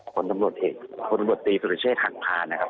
คนตำรวจตีสุริเชษฐ์หังพานะครับ